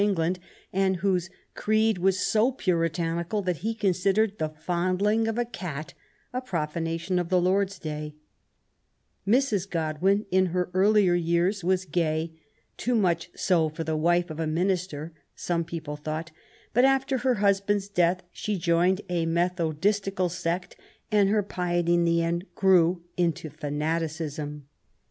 169 England^ and whose *' creed was so puritanical that he considered the fondling of a cat a profanation of the Lord^s day/^ Mrs. Godwin in her earlier years wa» gay^ too much so for the wife of a minister^ some people thought, but after her husband's death she joined a Methodistical sect, and her piety in the end grew inta fanaticism.